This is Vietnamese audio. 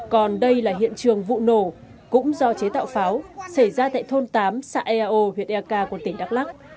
còn đây là hiện trường vụ nổ cũng do chế tạo pháo xảy ra tại thôn tám xã eao huyện ea ca quận tỉnh đắk lắc